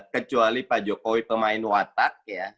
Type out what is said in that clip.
kecuali pak jokowi pemain watak ya